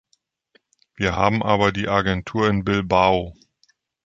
Wir haben aber die Agentur in Bilbao.